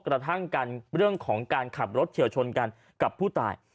กระทั่งกันเรื่องของการขับรถเฉียวชนกันกับผู้ตาย